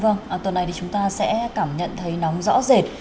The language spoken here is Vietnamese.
vâng tuần này thì chúng ta sẽ cảm nhận thấy nóng rõ rệt